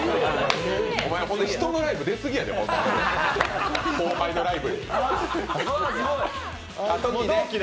お前、ほんま人のライブ出過ぎやで、後輩のライブ。